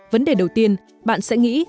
vấn đề đầu tiên bạn sẽ nghĩ